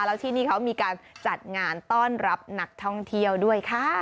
แล้วที่นี่เขามีการจัดงานต้อนรับนักท่องเที่ยวด้วยค่ะ